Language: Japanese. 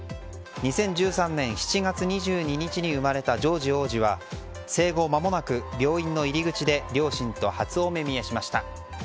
２０１３年７月２２日に生まれたジョージ王子は生後間もなく病院の入り口で両親と初お目見えしました。